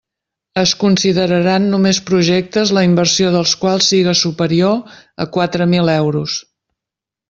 Es consideraran només projectes la inversió dels quals siga superior a quatre mil euros.